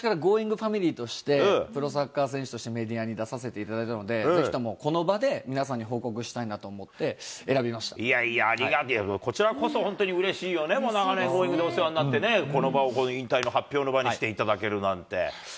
ファミリーとして、プロサッカー選手としてメディアに出させていただいたので、ぜひともこの場で、皆さんに報告したいなと思って、いやいや、ありがたい、こちらこそ本当にうれしいよね、長年Ｇｏｉｎｇ！でお世話になってね、この場を引退の発表の場にしていただけるなんて。